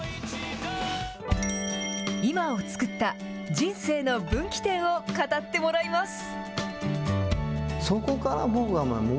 今を作った人生の分岐点を語ってもらいます。